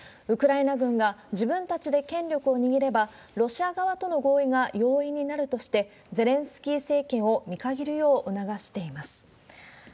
ウクライナ軍が自分たちで権力を握れば、ロシア側との合意が容易になるとして、ゼレンスキー政権を見限るよう促しています。